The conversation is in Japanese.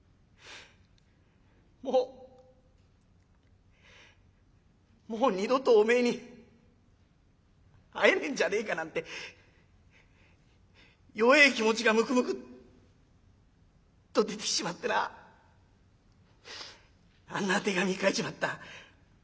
もうもう二度とおめえに会えねえんじゃねえかなんて弱え気持ちがむくむくっと出てきちまってなあんな手紙書いちまった。